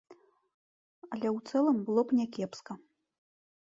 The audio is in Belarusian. Але ў цэлым было б някепска.